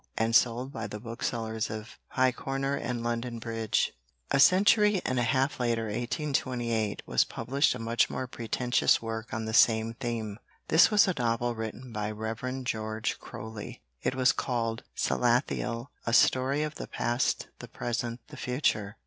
and sold by the Booksellers of Pyecorner and London Bridge." A century and a half later 1828 was published a much more pretentious work on the same theme. This was a novel written by Rev. George Croly. It was called: "Salathiel: a Story of the Past, the Present, the Future."